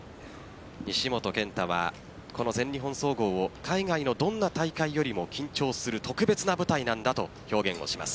西本拳太はこの全日本総合を海外のどんな大会よりも緊張する特別な舞台なんだと表現をします。